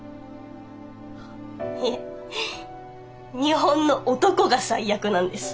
いえ日本の男が最悪なんです。